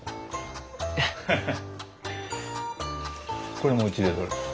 これもうちで取れた。